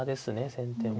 先手も。